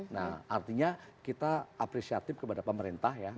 nah artinya kita apresiatif kepada pemerintah ya